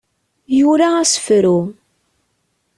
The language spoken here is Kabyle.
Yura asefru.